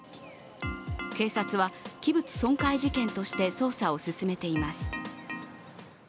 警察は器物損壊事件として捜査を進めています。